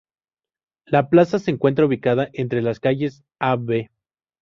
La plaza se encuentra ubicada entre las calles Av.